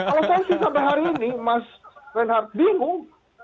kalau saya sisa hari ini mas reinhardt bingung